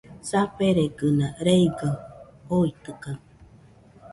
Saferegɨna reigaɨ oitɨkaɨ